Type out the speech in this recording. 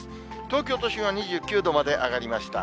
東京都心は２９度まで上がりました。